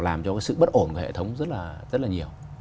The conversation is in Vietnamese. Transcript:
làm cho cái sự bất ổn của hệ thống rất là nhiều